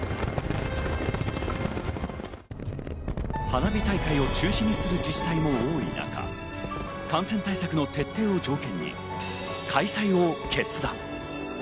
花火大会を中止にする自治体も多い中、感染対策の徹底を条件に開催を決断。